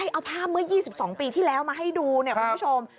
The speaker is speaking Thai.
เอาภาพเมื่อ๒๒ปีที่แล้วมาให้ดูเนี่ยคุณผู้ชม